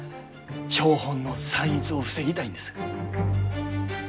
標本の散逸を防ぎたいんです。